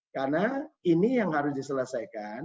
karena ini yang harus diselesaikan